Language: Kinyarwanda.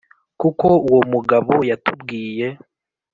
kuko uwo mugabo yatubwiye